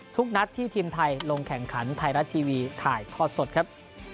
ทุกนัดที่ทีมไทยลงแข่งขันไทยรัฐทีวีถ่ายทอดสดครับ